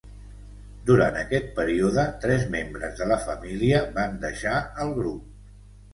Durant aquest període, tres membres de la família van deixar el grup.